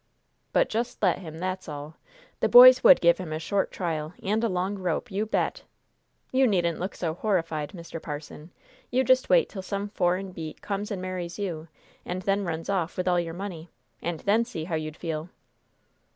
But just let him, that's all! The boys would give him a short trial and a long rope, you bet! You needn't look so horrified, Mr. Parson. You just wait till some foreign beat comes and marries you, and then runs off with all your money, and then see how you'd feel!"